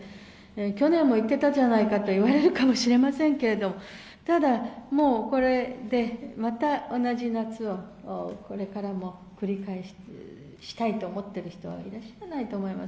去年も言ってたじゃないかと言われるかもしれませんけれど、ただ、もうこれで、また同じ夏を、これからも繰り返したいと思っている人はいらっしゃらないと思います。